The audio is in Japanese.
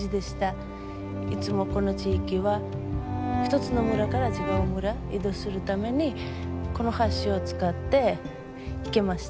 いつもこの地域は一つの村から違う村移動するためにこの橋を使って行きました。